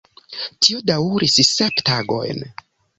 Tio daŭris sep tagojn.